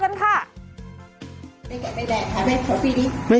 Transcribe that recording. จัดกระบวนพร้อมกัน